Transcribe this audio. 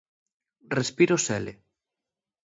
Respiro sele.